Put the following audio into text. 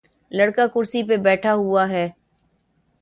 لڑکا کرسی پہ بیٹھا ہوا ہے۔